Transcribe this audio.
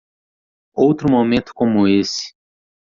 Outro momento como esse.